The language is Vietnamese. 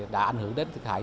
đã ảnh hưởng đến thực hại